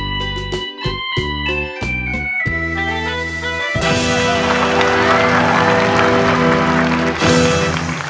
บดแมวอย่างออก